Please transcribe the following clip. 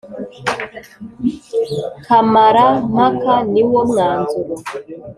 kamara mpaka niwo mwanzuro